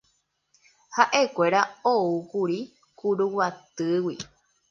Ha'ekuéra oúkuri Kuruguatýgui.